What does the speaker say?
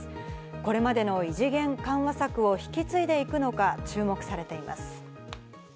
これまでの異次元緩和策を引き継いでいくのか注目されています。